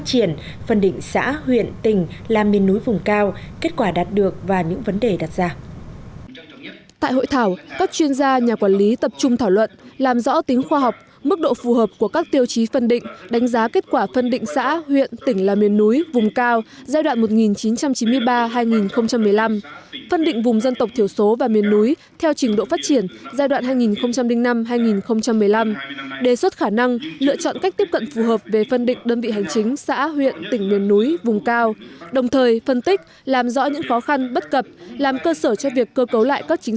trong các hội thảo các chuyên gia nhà quản lý tập trung thảo luận làm rõ tính khoa học mức độ phù hợp của các tiêu chí phân định đánh giá kết quả phân định xã huyện tỉnh là miền núi vùng cao giai đoạn một nghìn chín trăm chín mươi ba hai nghìn một mươi năm phân định vùng dân tộc thiểu số và miền núi theo trình độ phát triển giai đoạn hai nghìn năm hai nghìn một mươi năm đề xuất khả năng lựa chọn cách tiếp cận phù hợp về phân định đơn vị hành chính xã huyện tỉnh miền núi vùng cao đồng thời phân tích làm rõ những khó khăn bất cập làm cơ sở cho việc cơ cấu lại các chính